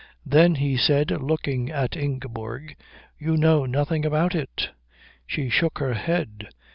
"Then," he said, looking at Ingeborg, "you know nothing about it?" She shook her head.